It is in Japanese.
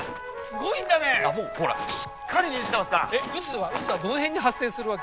もうほらしっかりねじってますから！